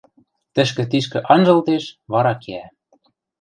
тӹшкӹ-тишкӹ анжылтеш, вара кеӓ.